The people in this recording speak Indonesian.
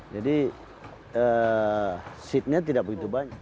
jadi seat nya tidak begitu banyak